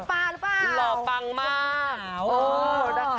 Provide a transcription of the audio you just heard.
อ่อปเปอร์หรือเปล่าหล่อปังมาก